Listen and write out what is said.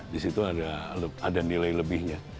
disitu ada nilai lebihnya